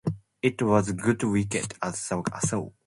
It was a good wicket, Asa saw.